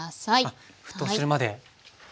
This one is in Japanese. あ沸騰するまで。